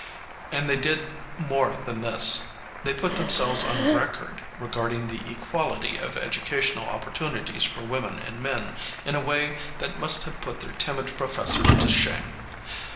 And they did more than this. They put themselves on record regarding the equality of educational opportunities for women and men in a way that must have put their timid professors to shame.